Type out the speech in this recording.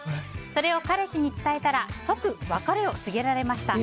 それを彼氏に伝えたら即別れを告げられました。